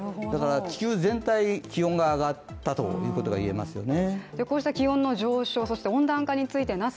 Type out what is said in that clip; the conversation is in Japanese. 地球全体、気温が上がったということが言えますよね。